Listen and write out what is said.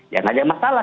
ya nggak ada masalah